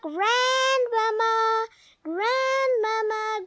Grandmamma! Grandmamma!!